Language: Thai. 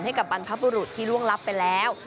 ให้กับบรรพบุรุษที่ร่วงรับไปแล้ว